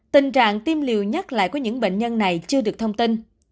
tình trạng tiêm liều nhắc lại của những bệnh nhân này chưa được thông tin